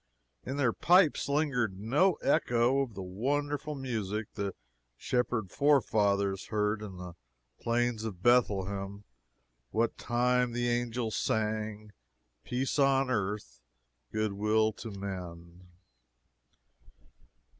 In their pipes lingered no echo of the wonderful music the shepherd forefathers heard in the Plains of Bethlehem what time the angels sang "Peace on earth, good will to men."